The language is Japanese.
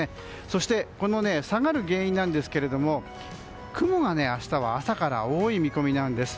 そして、下がる原因ですが雲が明日は朝から多い見込みです。